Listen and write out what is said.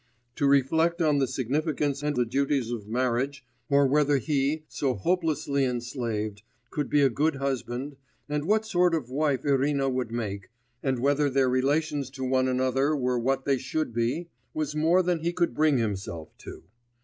To reflect on the significance and the duties of marriage, or whether he, so hopelessly enslaved, could be a good husband, and what sort of wife Irina would make, and whether their relations to one another were what they should be was more than he could bring himself to.